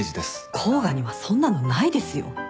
甲賀にはそんなのないですよ。